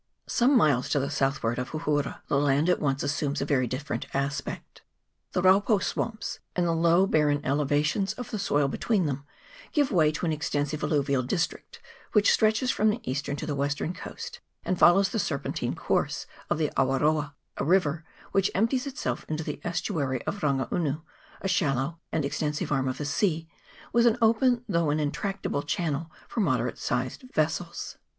Some miles to the southward of Houhoura the land at once assumes a very different aspect. The raupo swamps, and the low barren elevations' of the soil between them, give way to an extensive alluvial district, which stretches from the eastern to the western coast, and follows the serpentine course of the Awaroa, a river which empties itself into the estuary of Rangaunu, a shallow and extensive arm of the sea, with an open though an intricate channel for moderate sized vessels.